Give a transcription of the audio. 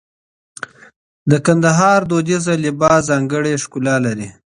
د کندهار دودیز لباس ځانګړی ښکلا لري.